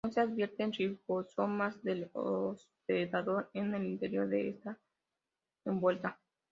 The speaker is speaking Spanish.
No se advierten ribosomas del hospedador en el interior de esta envuelta.